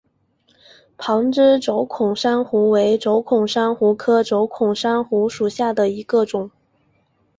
旁枝轴孔珊瑚为轴孔珊瑚科轴孔珊瑚属下的一个种。